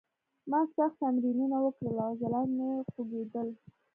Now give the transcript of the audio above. ما سخت تمرینونه وکړل او عضلات مې خوږېدل